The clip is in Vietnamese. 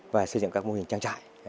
và xây dựng các mô hình trang trại